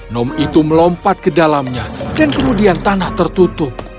nom itu melompat ke dalamnya dan kemudian tanah tertutup